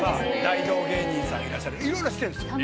大道芸人さんいらっしゃるいろいろしてるんですよ。